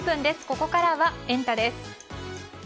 ここからはエンタ！です。